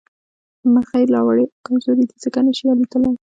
مرغۍ لا وړې او کمزورې دي ځکه نه شي اوتلې